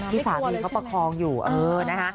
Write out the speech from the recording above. ที่สามีเขาประคองอยู่เออนะคะ